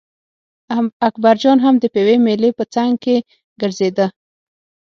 اکبرجان هم د پېوې مېلې په څنګ کې ګرځېده.